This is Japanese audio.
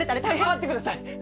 待ってください！